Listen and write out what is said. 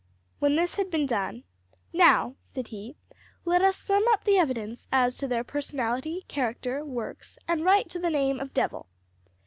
When this had been done, "Now," said he, "let us sum up the evidence as to their personality, character, works, and right to the name of devil."